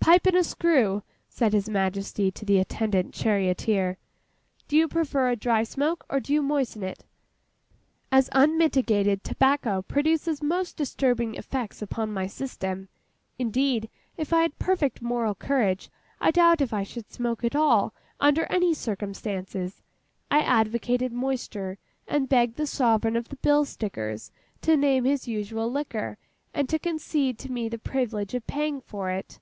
'Pipe and a screw!' said His Majesty to the attendant charioteer. 'Do you prefer a dry smoke, or do you moisten it?' As unmitigated tobacco produces most disturbing effects upon my system (indeed, if I had perfect moral courage, I doubt if I should smoke at all, under any circumstances), I advocated moisture, and begged the Sovereign of the Bill Stickers to name his usual liquor, and to concede to me the privilege of paying for it.